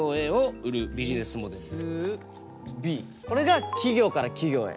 これが企業から企業へ。